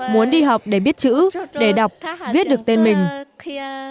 muốn đi học để biết chữ để đọc viết được tên mình